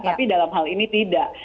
tapi dalam hal ini tidak